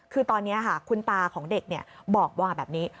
คือตอนนี้คุณตาของเด็กบอกว่าแบบนี้